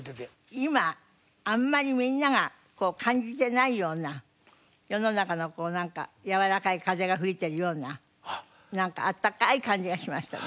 今あんまりみんなが感じてないような世の中のこうなんかやわらかい風が吹いてるようななんかあったかい感じがしましたね。